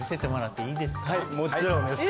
はいもちろんです。